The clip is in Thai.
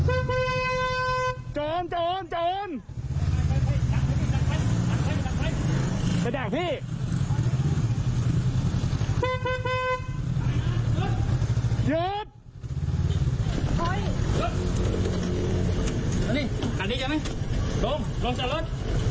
อันนี้ขัดดีจริงไหมลงลงจากรถ